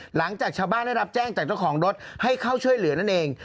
หลังจากชาวบ้านได้รับแจ้งจากเจ้าของรถให้เข้าช่วยเหลือนั่นเอง